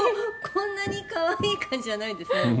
こんなに可愛い感じじゃないんですね。